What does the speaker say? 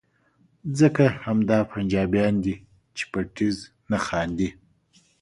ځکه همدا پنجابیان دي چې په ټیز نه خاندي.